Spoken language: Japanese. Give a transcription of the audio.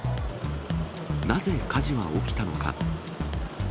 なぜ火事は起きたのか。